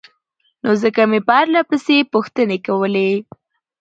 نو ځکه مې پرلهپسې پوښتنې کولې